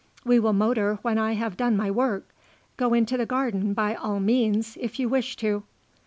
"We will motor when I have done my work. Go into the garden, by all means, if you wish to."